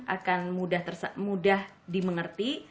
akan mudah dimengerti